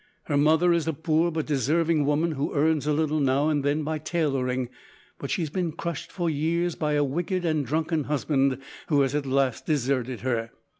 Her mother is a poor but deserving woman who earns a little now and then by tailoring, but she has been crushed for years by a wicked and drunken husband who has at last deserted her.